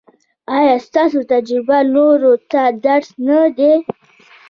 ایا ستاسو تجربه نورو ته درس نه دی؟